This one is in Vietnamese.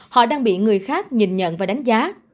họ đang bị người khác nhìn nhận và đánh giá